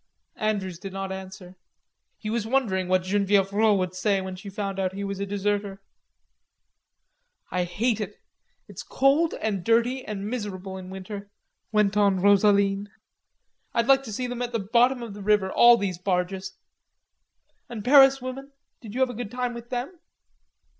Andrews did not answer. He was wondering what Genevieve Rod would say when she found out he was a deserter. "I hate it.... It's dirty and cold and miserable in winter," went on Rosaline. "I'd like to see them at the bottom of the river, all these barges.... And Paris women, did you have a good time with them?"